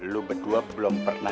lo berdua belum pernah